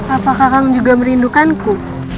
apa kakang juga merindukanku